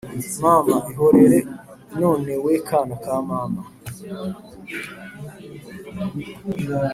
mama ihorere none we kana ka mama